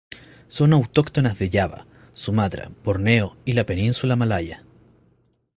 Son autóctonas de Java, Sumatra, Borneo y la península malaya.